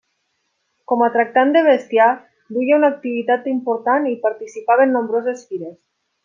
Com a tractant de bestiar duia una activitat important i participava en nombroses fires.